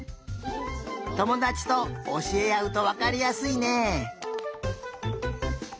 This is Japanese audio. ともだちとおしえあうとわかりやすいね。